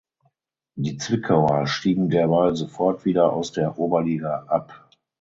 Die Zwickauer stiegen derweil sofort wieder aus der Oberliga ab.